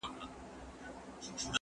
زه به سفر کړی وي؟